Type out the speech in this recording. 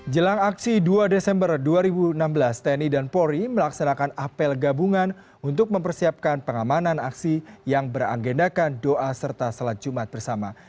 jelang aksi dua desember dua ribu enam belas tni dan polri melaksanakan apel gabungan untuk mempersiapkan pengamanan aksi yang beragendakan doa serta salat jumat bersama